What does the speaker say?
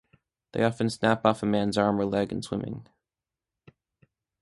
They often snap off a man's arm or leg in swimming.